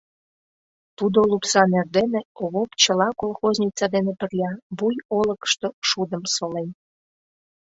Тудо лупсан эрдене Овоп чыла колхозница дене пырля Буй олыкышто шудым солен.